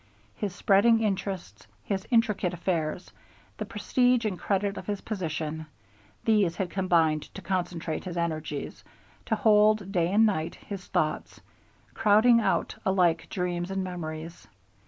His spreading interests, his intricate affairs, the prestige and credit of his position these had combined to concentrate his energies, to hold, day and night, his thoughts, crowding out alike dreams and memories.